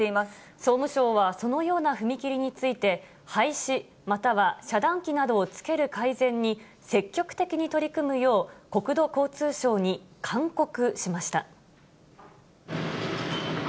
総務省は、そのような踏切について廃止、または遮断機などをつける改善に積極的に取り組むよう、国土交通省に勧告しました。